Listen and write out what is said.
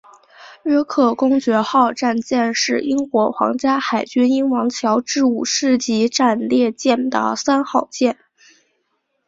约克公爵号战舰是英国皇家海军英王乔治五世级战列舰的三号舰。